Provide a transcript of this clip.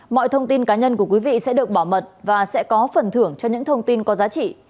mọi thông tin cá nhân của quý vị sẽ được bảo mật và sẽ có phần thưởng cho những thông tin có giá trị